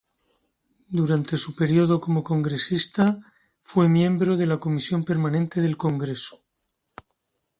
Durante su periodo como congresista, fue miembro de la Comisión Permanente del Congreso.